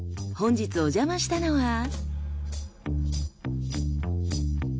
本日おじゃましたのは。